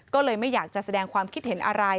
ก็เลยไม่อยากจะแสดงความคิดเห็นอะไร